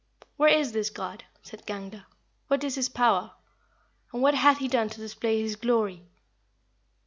"Where is this God?" said Gangler; "what is his power? and what hath he done to display his glory?"